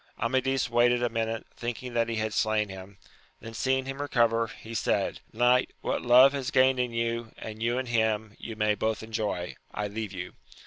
Amadis waited a minute, thinking that he had slain him ; then seeing him recover, he said, Eoiight, what love has gained in you, and you in him, you may both enjoy : I leave you.